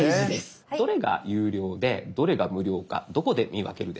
どれが有料でどれが無料かどこで見分けるでしょうか？